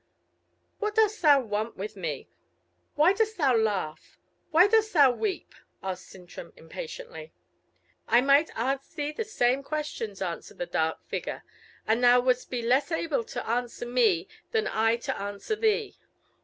"What dost thou want with me? Why dost thou laugh? why dost thou weep?" asked Sintram impatiently. "I might ask thee the same questions," answered the dark figure, "and thou wouldst be less able to answer me than I to answer thee.